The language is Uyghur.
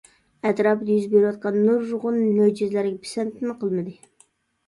ئەتراپىدا يۈز بېرىۋاتقان نۇرغۇن مۆجىزىلەرگە پىسەنتمۇ قىلمىدى.